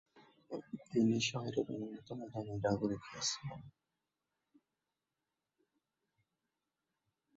তিনি শহরের অন্যতম ধনী নাগরিক হয়েছিলেন।